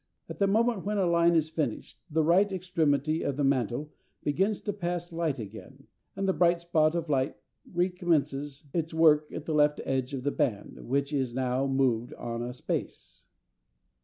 At the moment when a line is finished, the right extremity of the mantle begins to pass light again, and the bright spot of light recommences its work at the left edge of the band, which has now moved on a space.